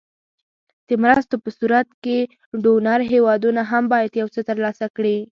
د مرستو په صورت کې ډونر هېوادونه هم باید یو څه تر لاسه کړي.